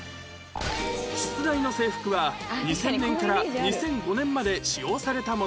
出題の制服は２０００年から２００５年まで使用されたものでした